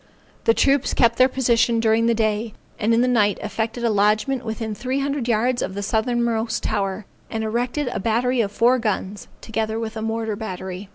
The troops kept their position during the day, and in the night effected a lodgment within three hundred yards of the southernmost tower, and erected a battery of four guns, together with a mortar battery.